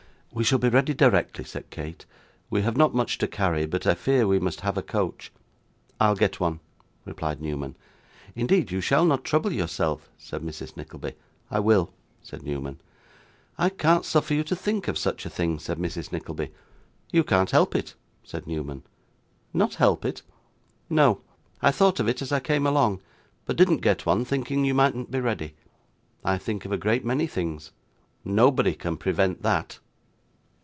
'We shall be ready directly,' said Kate. 'We have not much to carry, but I fear we must have a coach.' 'I'll get one,' replied Newman. 'Indeed you shall not trouble yourself,' said Mrs. Nickleby. 'I will,' said Newman. 'I can't suffer you to think of such a thing,' said Mrs. Nickleby. 'You can't help it,' said Newman. 'Not help it!' 'No; I thought of it as I came along; but didn't get one, thinking you mightn't be ready. I think of a great many things. Nobody can prevent that.